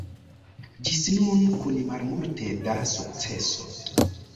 Ĝis nun kun malmulte da sukceso.